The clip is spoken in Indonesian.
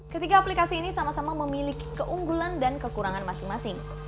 ketiga aplikasi ini sama sama memiliki keunggulan dan kekurangan masing masing